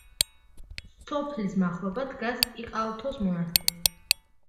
სოფლის მახლობლად დგას იყალთოს მონასტერი.